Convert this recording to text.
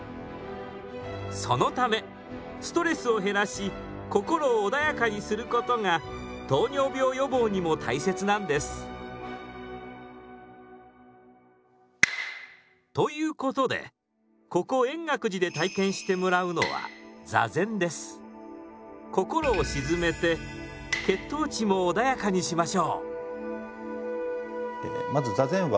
そのためストレスを減らし心を穏やかにすることが糖尿病予防にも大切なんです。ということでここ円覚寺で体験してもらうのは座禅です。ということがとても重要になってきます。